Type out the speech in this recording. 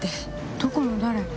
どこの誰が？